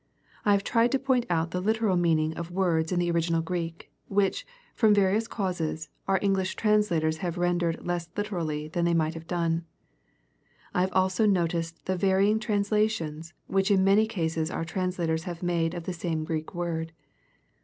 I have tried to point out the literal meaning of words in the original Greek, which, from various causes, our Eng lish translators have rendered less literally than they might have done. I have also noticed the varying translations, which in many cases our translators have made of the same Greek word.